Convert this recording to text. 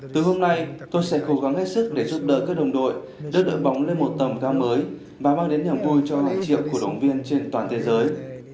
từ hôm nay tôi sẽ cố gắng hết sức để giúp đỡ các đồng đội đưa đội bóng lên một tầm cao mới và mang đến niềm vui cho hàng triệu cổ động viên trên toàn thế giới